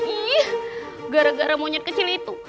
iya gara gara monyet kecil itu